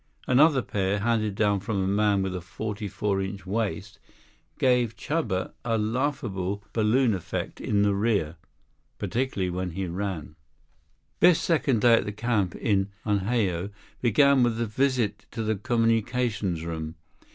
Another pair, handed down from a man with a forty four inch waist, gave Chuba a laughable balloon effect in the rear, particularly when he ran. Biff's second day at the camp in Unhao began with a visit to the communications room.